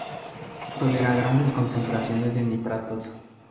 No tolera grandes concentraciones de nitratos.